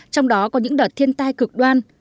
trong đó có những đợt thiên tai cực đoan